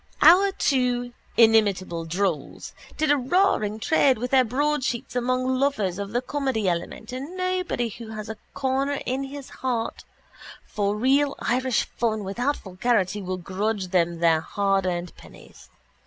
Our two inimitable drolls did a roaring trade with their broadsheets among lovers of the comedy element and nobody who has a corner in his heart for real Irish fun without vulgarity will grudge them their hardearned pennies.